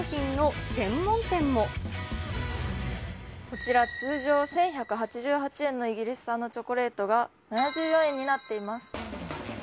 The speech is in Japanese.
こちら、通常１１８８円のイギリス産のチョコレートが、７４円になっています。